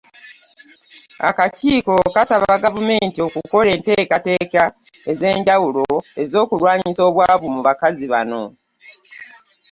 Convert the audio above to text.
Akakiiko kasaba Gavumenti okukola enteekateeka ez’enjawulo ez’okulwanyisa obwavu mu bakazi bano.